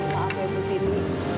maafkan ibu tili